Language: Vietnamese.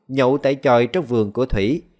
nhậu tại tròi trong vườn của thủy